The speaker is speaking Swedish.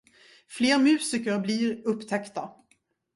Fler musiker blir upptäckta.